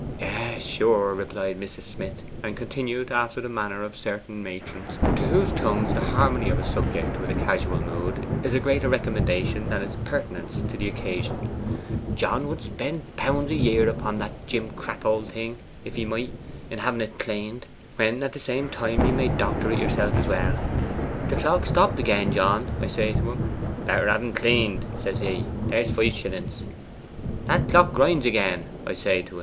'Yes, sure,' replied Mrs. Smith; and continued after the manner of certain matrons, to whose tongues the harmony of a subject with a casual mood is a greater recommendation than its pertinence to the occasion, 'John would spend pounds a year upon the jimcrack old thing, if he might, in having it claned, when at the same time you may doctor it yourself as well. "The clock's stopped again, John," I say to him. "Better have en claned," says he. There's five shillings. "That clock grinds again," I say to en.